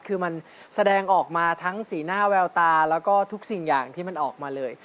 คือมันแสดงออกมาทั้งสีหน้าแววตาแล้วก็ทุกสิ่งอย่างที่มันออกมาเลย